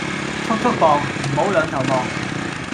速速磅，唔好兩頭望